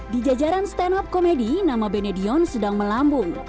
di jajaran stand up komedi nama benedion sedang melambung